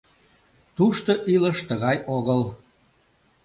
Тушто илыш тыгай огыл.